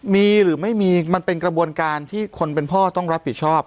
มีหรือไม่มีมันเป็นกระบวนการที่คนเป็นพ่อต้องรับผิดชอบ